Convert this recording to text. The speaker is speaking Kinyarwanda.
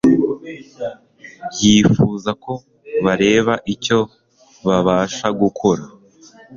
Yifuza ko bareba icyo babasha gukora